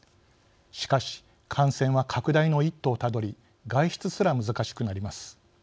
しかし感染は拡大の一途をたどり外出すら難しくなります。